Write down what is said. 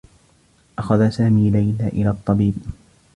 أخذ سامي ليلى إلى الطّبيب.